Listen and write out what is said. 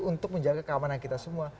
untuk menjaga keamanan kita semua